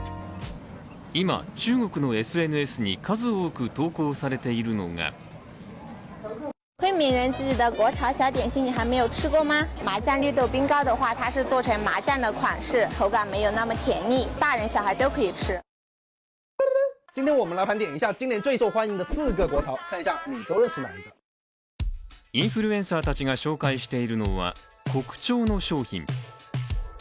今、中国のＳＮＳに数多く投稿されているのがインフルエンサーたちが紹介しているのは国潮の商品。